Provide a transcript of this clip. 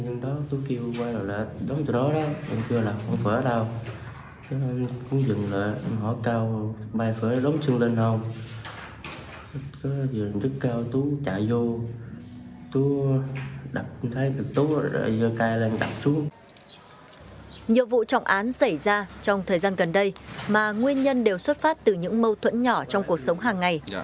nhiều vụ trọng án xảy ra trong thời gian gần đây mà nguyên nhân đều xuất phát từ những mâu thuẫn nhỏ trong cuộc sống hàng ngày